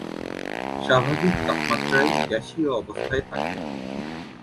স্বাভাবিক তাপমাত্রায় গ্যাসীয় অবস্থায় থাকে।